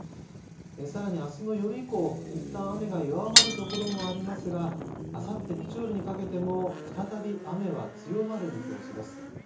さらに、あすの夜以降いったん雨が弱まるところもありますがあさって日曜日にかけても再び雨は強まる見通しです。